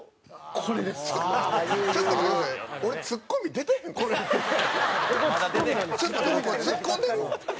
これ、ツッコんでる？